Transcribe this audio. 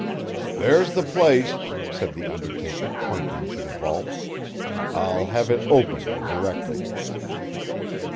"There's the place," said the undertaker, pointing to the vault. "I'll have it opened directly."